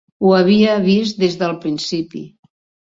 Ho havia vist des del principi.